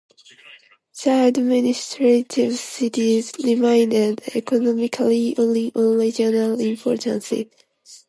The administrative cities remained economically only of regional importance.